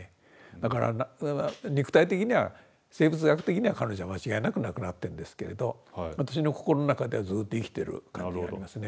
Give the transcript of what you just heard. だから肉体的には生物学的には彼女は間違いなく亡くなってるんですけれど私の心の中ではずっと生きてる感じがありますね。